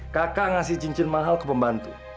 kakak ngasih cincin mahal ke pembantu